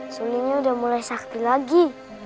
sulingnya udah mulai sakti lagi